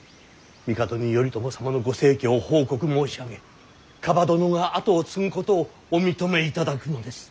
帝に頼朝様のご逝去を報告申し上げ蒲殿が跡を継ぐことをお認めいただくのです。